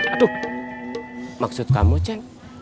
aduh maksud kamu ceng